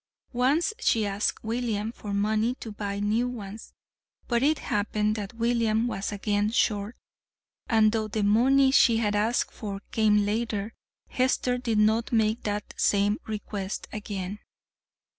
Once she asked William for money to buy new ones, but it happened that William was again short, and though the money she had asked for came later, Hester did not make that same request again.